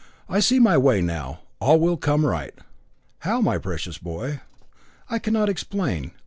I see my way now, all will come right." "How, my precious boy?" "I cannot explain.